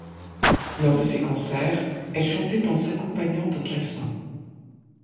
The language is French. Lors de ces concerts, elle chantait en s'accompagnant au clavecin.